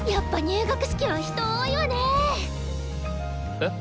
えっ？